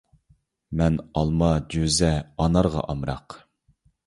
مەن ئالما جۈزە ئانارغا ئامراق